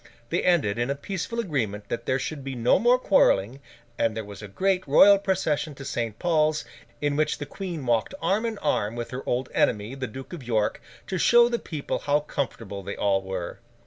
They ended in a peaceful agreement that there should be no more quarrelling; and there was a great royal procession to St. Paul's, in which the Queen walked arm in arm with her old enemy, the Duke of York, to show the people how comfortable they all were.